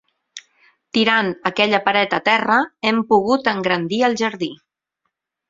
Tirant aquella paret a terra, hem pogut engrandir el jardí.